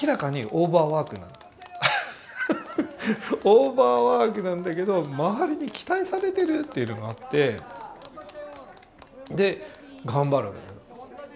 オーバーワークなんだけど周りに期待されてるというのがあってで頑張る。